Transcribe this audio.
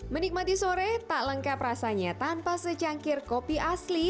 menikmati sore tak lengkap rasanya tanpa secangkir kopi asli